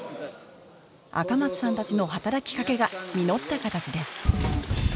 赤松さんたちの働きかけが実った形です